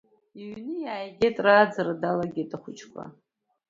Иҩны иааигеит, рааӡара далагеит ахәыҷқәа.